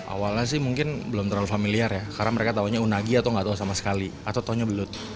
awalnya sih mungkin belum terlalu familiar ya karena mereka taunya unagi atau nggak tahu sama sekali atau taunya belut